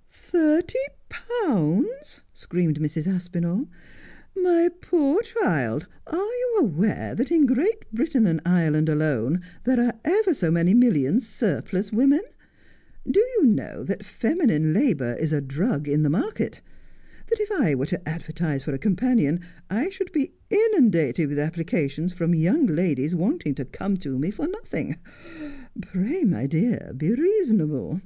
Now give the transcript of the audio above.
' Thirty pounds !' screamed Mrs. Aspinall. ' My poor child, are you aware that in Great Britain and Ireland alone there are ever so many million surplus women 1 Do you know that feminine labour is a drug in the market ; that if I were to ad vertise for a companion I should be inundated with applications from young ladies wanting to come to me for nothing ? Pray, my dear, be reasonable